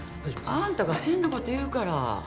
あんたが変なこと言うから。